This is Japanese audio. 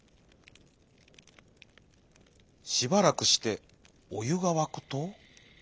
しばらくしておゆがわくと。